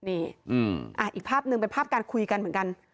นี่อีกภาพหนึ่งเป็นภาพการคุยกันเหมือนกัน